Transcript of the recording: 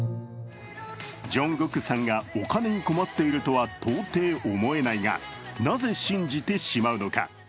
ＪＵＮＧＫＯＯＫさんがお金に困っているとは到底思えないがなぜ信じてしまうのか。